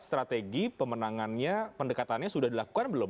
strategi pemenangannya pendekatannya sudah dilakukan belum